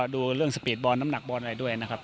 ดูเรื่องสปีดบอลน้ำหนักอะไรด้วย